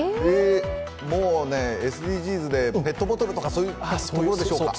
もうね、ＳＤＧｓでペットボトルとかそういうものでしょうか。